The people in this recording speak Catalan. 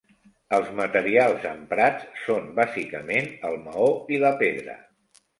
Els materials emprats són bàsicament el maó i la pedra.